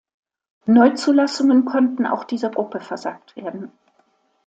Neuzulassungen konnten auch dieser Gruppe versagt werden.